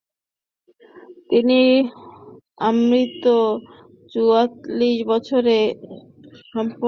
তিনি আমৃত্যু চুয়াল্লিশ বছর ধরে সম্পাদনা করেন ।